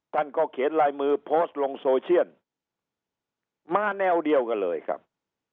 ท่านก็เขียนลายมือโพสต์ลงโซเชียลมาแนวเดียวกันเลยครับ